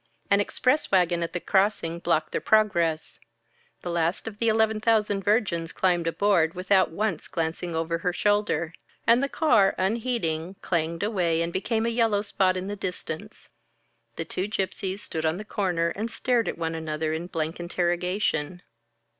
An express wagon at the crossing blocked their progress. The last of the Eleven Thousand Virgins climbed aboard, without once glancing over her shoulder; and the car, unheeding, clanged away, and became a yellow spot in the distance. The two Gypsies stood on the corner and stared at one another in blank interrogation.